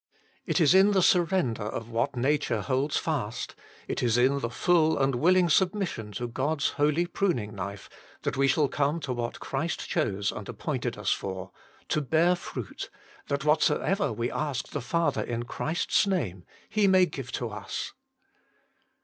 It is in the surrender of what nature holds fast, it is in the full and willing submission to God s holy pruning knife, that we shall come to what Christ chose and appointed us for to bear fruit, that whatsoever we ask the Father in Christ s name, He may give to us.